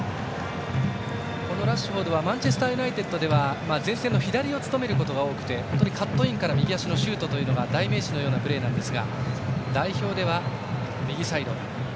ラッシュフォードはマンチェスターユナイテッドでは前線の左を務めることが多くカットインから右足のシュートというのが代名詞のようなプレーなんですが代表では右サイド。